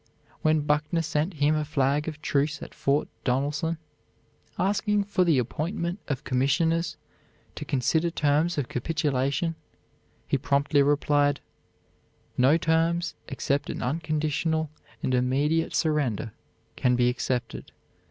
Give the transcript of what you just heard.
When Buckner sent him a flag of truce at Fort Donelson, asking for the appointment of commissioners to consider terms of capitulation, he promptly replied: "No terms except an unconditional and immediate surrender can be accepted.